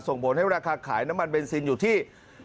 ส่งผลให้ราคาขายน้ำมันเบนซินอยู่ที่